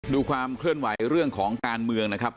ดูความเคลื่อนไหวเรื่องของการเมืองนะครับ